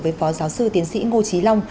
với phó giáo sư tiến sĩ ngô trí long